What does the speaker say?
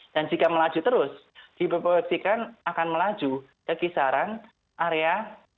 dan jika melaju terus diperpoksikan akan melaju ke kisaran area dua enam ratus lima puluh